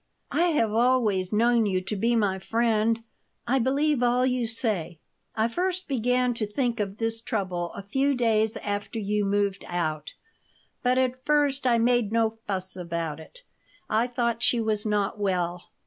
"I have always known you to be my friend. I believe all you say. I first began to think of this trouble a few days after you moved out. But at first I made no fuss about it. I thought she was not well.